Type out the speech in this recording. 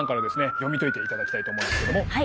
読み解いていただきたいと思うんですけども。